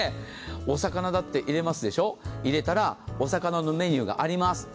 お魚だって入れますでしょ、入れたらお魚のメニューがあります。